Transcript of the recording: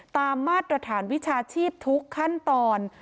มาตรฐานวิชาชีพทุกขั้นตอน